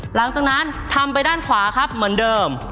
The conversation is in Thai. หลังจากนั้นทำไปด้านขวาครับเหมือนเดิม